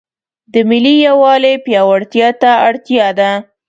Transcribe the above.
د ملي یووالي پیاوړتیا ته اړتیا ده.